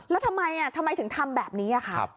แล้วทำไมทำไมถึงทำแบบนี้ค่ะ